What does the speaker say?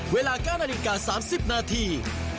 เวลา๙นาฬิกา๓๐นาที